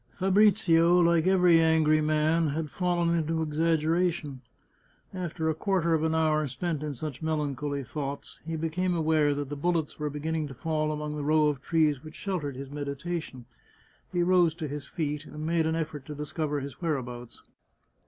Fabrizio, like every angry man, had fallen into exaggeration. After a quarter of an hour spent in such melancholy thoughts, he became aware that the bul lets were beginning to fall among the row of trees which sheltered his meditation. He rose to his feet, and made an effort to discover his whereabouts.